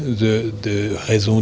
yang menambah tahun demi tahun